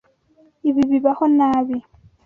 Ibi bibaho nabi.